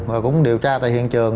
rồi cũng điều tra tại hiện trường